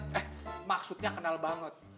eh maksudnya kenal banget